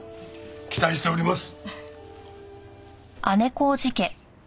期待しております。